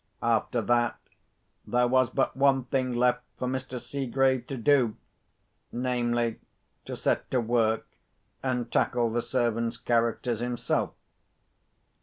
After that, there was but one thing left for Mr. Seegrave to do—namely, to set to work, and tackle the servants' characters himself.